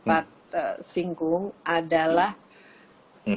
banyak sekali sekarang yang tertular dan juga menular akar